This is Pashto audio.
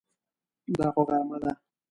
دا خو غرمه ده!